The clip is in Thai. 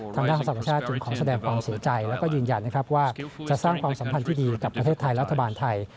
ทางด้านธรรมชาติจึงขอแสดงความเสียใจแล้วก็ยืนยันนะครับว่าจะสร้างความสัมพันธ์ที่ดีกับประเทศไทยรัฐบาลไทย